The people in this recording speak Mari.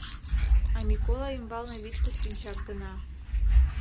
А Микола ӱмбалне вичкыж пинчак гына.